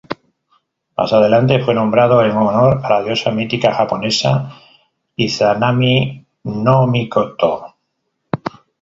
Más adelante fue nombrado en honor a la diosa mítica japonesa "Izanami-no-mikoto".